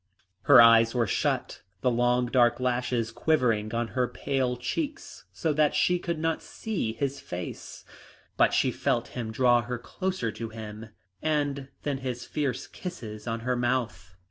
Her eyes were shut, the long dark lashes quivering on her pale cheeks so that she could not see his face, but she felt him draw her closer to him and then his fierce kisses on her mouth.